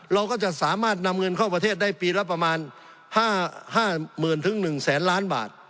เราก็จะสามารถนำเงินเข้าประเทศได้ปีละประมาณ๕๐๐๐๑๐๐๐ล้านบาท